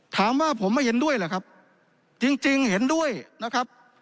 ถามว่าผมไม่เห็นด้วยเหรอครับจริงเห็นด้วยนะครับ